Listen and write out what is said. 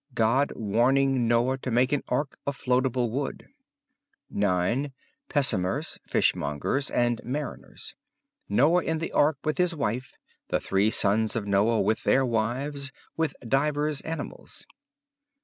God warning Noah to make an Ark of floatable wood, 9. Pessoners (Fishmongers) and Mariners. Noah in the Ark, with his wife; the three sons of Noah with their wives; with divers animals.